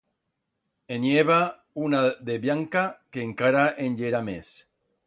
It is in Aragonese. En i heba una de bllanca que encara en yera mes.